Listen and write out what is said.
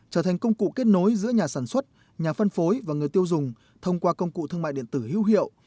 trở thành công cụ kết nối giữa nhà sản xuất nhà phân phối và người tiêu dùng thông qua công cụ thương mại điện tử hữu hiệu